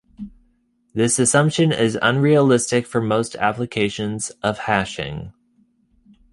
This assumption is unrealistic for most applications of hashing.